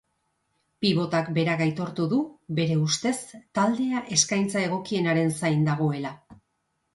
Pibotak berak aitortu du, bere ustez, taldea eskaintza egokienaren zain dagoela.